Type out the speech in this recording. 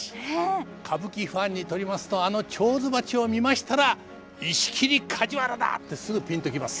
歌舞伎ファンにとりますとあの手水鉢を見ましたら石切梶原だってすぐピンと来ます。